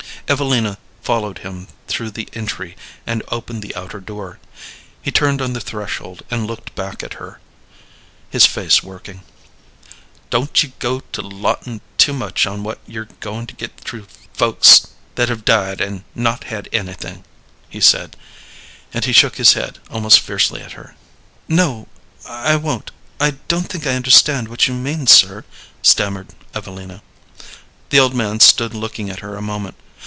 Evelina followed him through the entry and opened the outer door. He turned on the threshold and looked back at her, his face working. "Don't ye go to lottin' too much on what ye're goin' to get through folks that have died an' not had anything," he said; and he shook his head almost fiercely at her. "No, I won't. I don't think I understand what you mean, sir," stammered Evelina. The old man stood looking at her a moment.